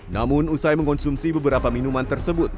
namun usai mengkonsumsi beberapa minuman tersebut